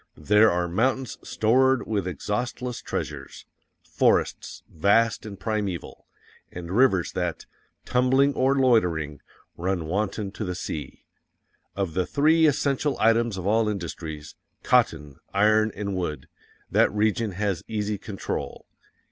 THERE ARE MOUNTAINS STORED WITH EXHAUSTLESS TREASURES: forests vast and primeval; and rivers that, tumbling or loitering, run wanton to the sea. Of the three essential items of all industries cotton, iron and wood that region has easy control.